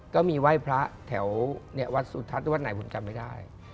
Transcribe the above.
ก็มีไหว้พระแถววัดสุทัศน์วัดไหนผมจำไม่ได้